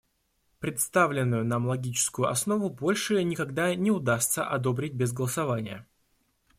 Представленную нам логическую основу больше никогда не удастся одобрить без голосования.